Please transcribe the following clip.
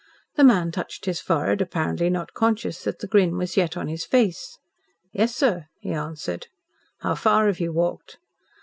The man touched his forehead, apparently not conscious that the grin was yet on his face. "Yes, sir," he answered. "How far have you walked?"